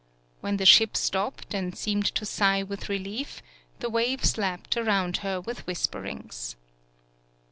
When the ship stopped, and seemed to sigh with relief, the waves lapped about her with whisperings.